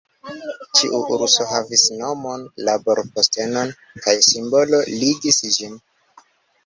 Ĉiu urso havis nomon, laborpostenon, kaj simbolo ligis ĝin.